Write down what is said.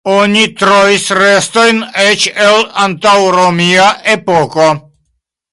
Oni trovis restojn eĉ el antaŭromia epoko.